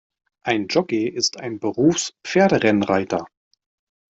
Ein Jockey ist ein Berufs-Pferderennreiter.